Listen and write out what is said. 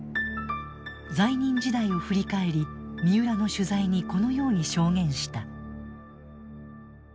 在任時代を振り返り三浦の取材にこのように証言した。